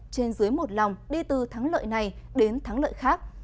trên dưới một lòng đi từ thắng lợi này đến thắng lợi khác